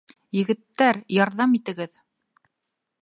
Егеттәр, ярҙам итегеҙ!